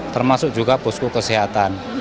termasuk juga posko kesehatan